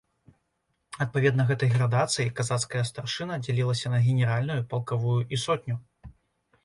Адпаведна гэтай градацыі, казацкая старшына дзялілася на генеральную, палкавую і сотню.